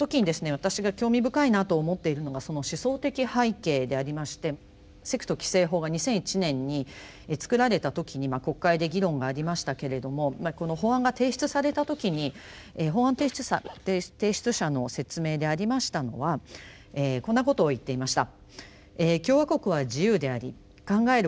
私が興味深いなと思っているのがその思想的背景でありまして「セクト規制法」が２００１年に作られた時に国会で議論がありましたけれどもこの法案が提出された時に法案提出者の説明でありましたのはこんなことを言っていました。